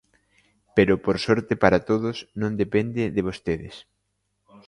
Pero, por sorte para todos, non depende de vostedes.